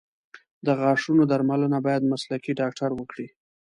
د غاښونو درملنه باید مسلکي ډاکټر وکړي.